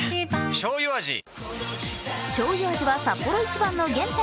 しょうゆ味はサッポロ一番の原点。